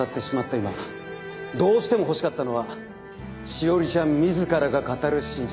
今どうしても欲しかったのは詩織ちゃん自らが語る真実。